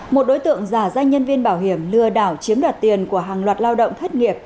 một đối tượng giả danh nhân viên bảo hiểm lừa đảo chiếm đoạt tiền của hàng loạt lao động thất nghiệp